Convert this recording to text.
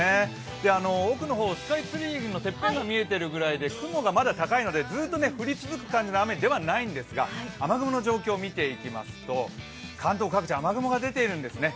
奥の方、スカイツリーのてっぺんが見えてるくらいで雲がまだ高いので、ずっと降り続く感じの雨ではないんですが、雨雲の状況、見ていきますと関東各地、雨雲が出てるんですね。